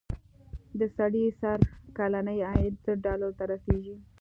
د سړي سر کلنی عاید زر ډالرو ته رسېږي.